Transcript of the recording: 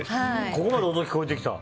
ここまで音が聞こえてきた。